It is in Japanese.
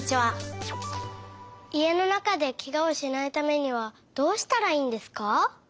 家の中でケガをしないためにはどうしたらいいんですか？